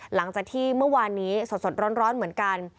หลังจากที่เมื่อวานนี้สดร้อนเหมือนกัน